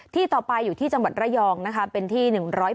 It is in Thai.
ที่ต่อไปอยู่ที่จังหวัดระยองนะคะเป็นที่